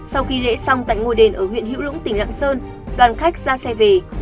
sau khi lễ xong tại ngôi đền ở huyện hữu lũng tỉnh lạng sơn đoàn khách ra xe về